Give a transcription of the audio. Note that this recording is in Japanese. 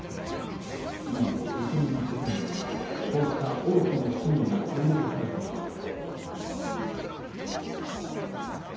今もウクライナ国内には、こうした多くの市民が取り残されている。